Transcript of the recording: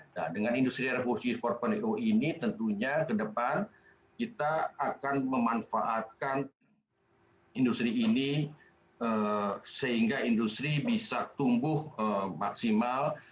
nah dengan industri revolusi empat ini tentunya ke depan kita akan memanfaatkan industri ini sehingga industri bisa tumbuh maksimal